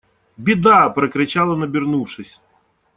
Беда! – прокричал он обернувшись.